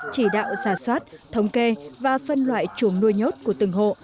chỉ đạo giả soát thống kê và phân loại chuồng nuôi nhốt của từng hộ